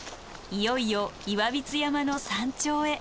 いよいよ岩櫃山の山頂へ。